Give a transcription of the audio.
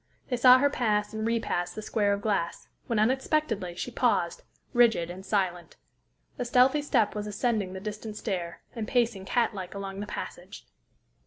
They saw her pass and repass the square of glass, when, unexpectedly, she paused, rigid and silent. A stealthy step was ascending the distant stair, and pacing cat like along the passage.